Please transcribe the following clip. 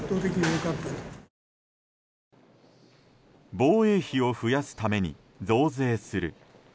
防衛費を増やすために増税する。